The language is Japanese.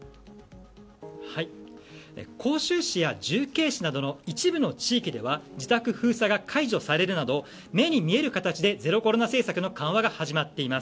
広州市や重慶市などの一部の地域では自宅封鎖が解除されるなど目に見える形でゼロコロナ政策の緩和が始まっています。